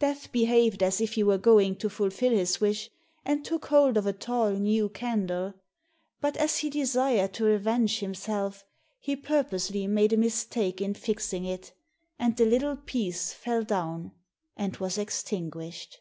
Death behaved as if he were going to fulfill his wish, and took hold of a tall new candle; but as he desired to revenge himself, he purposely made a mistake in fixing it, and the little piece fell down and was extinguished.